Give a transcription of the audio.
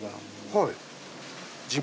はい。